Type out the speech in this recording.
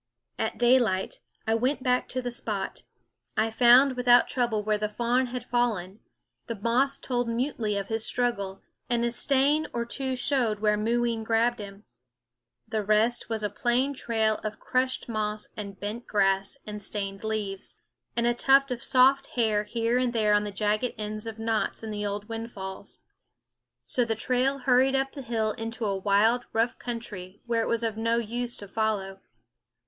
At daylight I went back to the spot. I found without trouble where the fawn had fallen; the moss told mutely of his struggle; and a stain or two showed where Mooween grabbed him. The rest was a plain trail of crushed moss and bent grass and stained leaves, and a tuft of soft hair here and there on the jagged ends of knots in the old windfalls. So the trail hurried up the hill into a wild, rough country where it was of no use to follow.